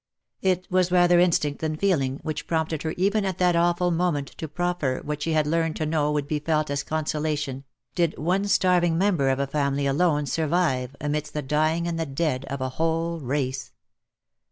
It was rather instinct than feeling, which prompted her even at that awful moment to proffer what she had learned to know would be felt as con solation, did one starving member of a family alone survive amidst the dying and the dead of a whole race.